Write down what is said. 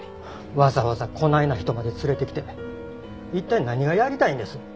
わざわざこないな人まで連れてきて一体何がやりたいんです？